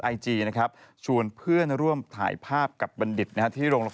อุ้ยฉันเราแล้วดูว่าพี่มา